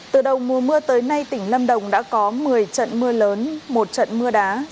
từ đầu mùa mưa tới nay tỉnh lâm đồng đã có một mươi trận mưa lớn một trận mưa đá